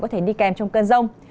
có thể đi kèm trong cơn rông